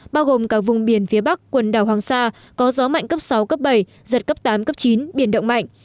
bao gồm cả vùng biển phía bắc quần đảo hoàng sa có gió mạnh cấp sáu cấp bảy giật cấp tám cấp chín biển động mạnh